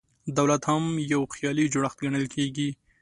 دولت هم یو خیالي جوړښت ګڼل کېږي.